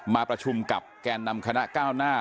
มาประชุมกับแกนนำคณะก้าวหน้า